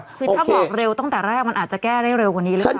คือถ้าบอกเร็วตั้งแต่แรกมันอาจจะแก้ได้เร็วกว่านี้หรือเปล่า